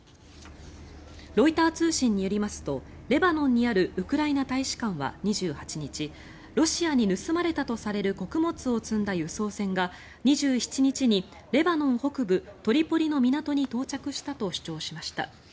ロイター通信によりますとレバノンにあるウクライナ大使館は２８日ロシアに盗まれたとされる穀物を積んだ輸送船が２７日にレバノン北部トリポリの港に到着したと主張しました。